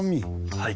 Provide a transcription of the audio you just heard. はい。